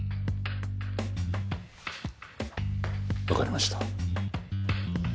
わかりました。